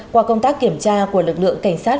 qua công tác kiểm tra của lực lượng cảnh sát